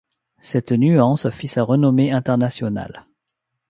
Cette nuance fit sa renommée internationale.